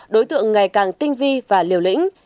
đối tượng ngày càng tinh vi và liều lĩnh